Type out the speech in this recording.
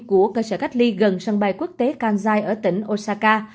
của cơ sở cách ly gần sân bay quốc tế kansai ở tỉnh osaka